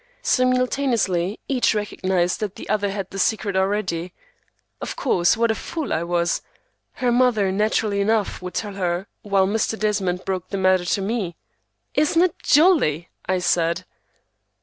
Simultaneously each recognized that the other had the secret already. Of course; what a fool I was! Her mother naturally enough would tell her while Mr. Desmond broke the matter to me. "Isn't it jolly?" I said.